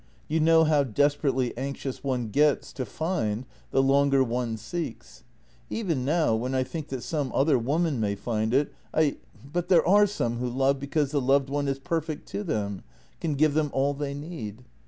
You know how desperately anxious one gets to find the longer one seeks. Even now, when I think that some other woman may find it, I ... But there are some who love because the loved one is perfect to them — can give them all they need.